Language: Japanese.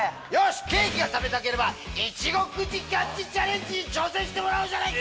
ケーキが食べたければ「いちご口キャッチ」チャレンジに挑戦してもらおうじゃねえか！